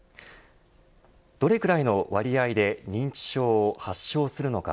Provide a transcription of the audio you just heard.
どれくらいの割合で認知症を発症するのか。